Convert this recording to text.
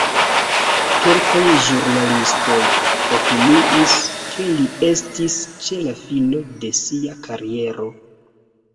Kelkaj ĵurnalistoj opiniis, ke li estis ĉe la fino de sia kariero.